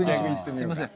すみません。